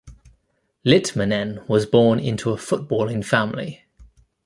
Litmanen was born into a footballing family.